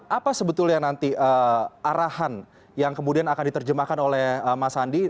apa sebetulnya nanti arahan yang kemudian akan diterjemahkan oleh mas andi